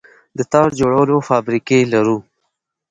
د تار جوړولو فابریکې لرو؟